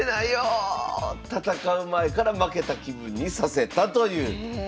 戦う前から負けた気分にさせたという。